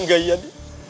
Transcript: lanjutannya sama ian